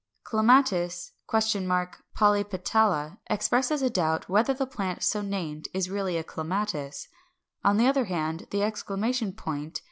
Clematis? polypetala expresses a doubt whether the plant so named is really a Clematis. On the other hand the exclamation point